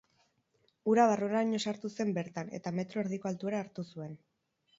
Ura barruraino sartu zen bertan eta metro erdiko altuera hartu zuen.